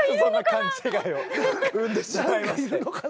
勘違いを生んでしまいまして。